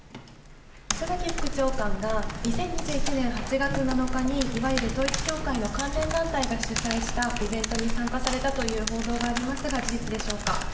磯崎副長官が、２０２１年８月７日に、いわゆる統一教会の関連団体が主催したイベントに参加されたという報道がありますが、事実でしょうか。